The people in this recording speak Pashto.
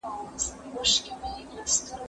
زه پرون د کتابتون پاکوالی کوم،